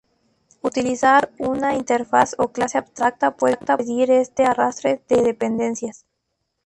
Utilizar una interfaz o clase abstracta puede impedir este "arrastre" de dependencias.